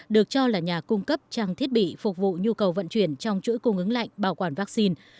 được cho là nhà cung cấp trang thiết bị phục vụ nhu cầu vận chuyển trong chuỗi cung ứng lạnh bảo quản vaccine